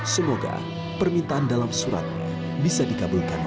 semoga permintaan dalam surat bisa dikaburkan